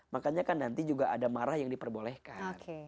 makanya kan nanti juga ada marah yang diperbolehkan